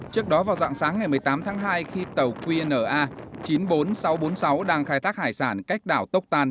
trước đó vào dạng sáng ngày một mươi tám tháng hai khi tàu qna chín mươi bốn nghìn sáu trăm bốn mươi sáu đang khai thác hải sản cách đảo tốc tan